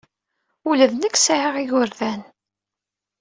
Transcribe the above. Ula d nekk sɛiɣ igerdan.